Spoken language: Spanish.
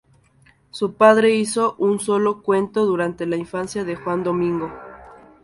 Su padre hizo un solo cuento durante la infancia de Juan Domingo.